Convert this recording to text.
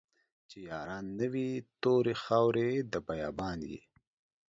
چې ياران نه وي توري خاوري د بيا بان يې